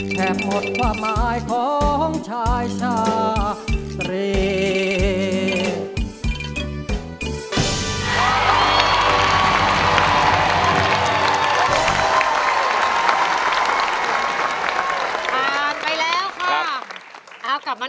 แคบหมดความหมายของชายชาเตรียม